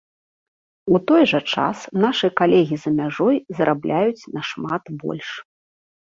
У той жа час, нашы калегі за мяжой зарабляюць нашмат больш.